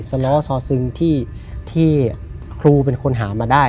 ล้อซอซึงที่ครูเป็นคนหามาได้